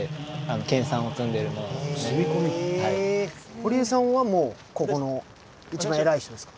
堀江さんはもうここの一番偉い人ですか？